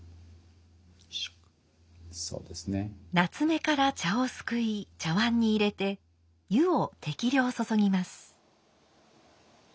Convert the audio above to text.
棗から茶をすくい茶碗に入れて湯を適量注ぎます。